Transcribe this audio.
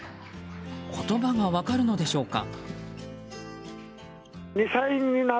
言葉が分かるのでしょうか。